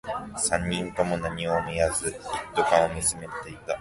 三人とも何も言わず、一斗缶を見つめていた